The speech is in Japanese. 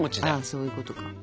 ああそういうことか。